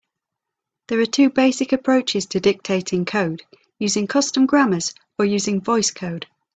There are two basic approaches to dictating code: using custom grammars or using VoiceCode.